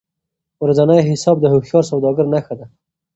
ورځنی حساب د هوښیار سوداګر نښه ده.